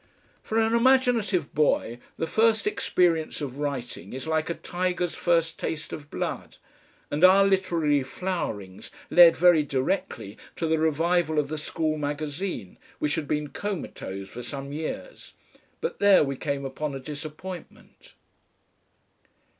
For an imaginative boy the first experience of writing is like a tiger's first taste of blood, and our literary flowerings led very directly to the revival of the school magazine, which had been comatose for some years. But there we came upon a disappointment.